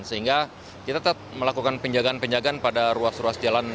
sehingga kita tetap melakukan penjagaan penjagaan pada ruas ruas jalan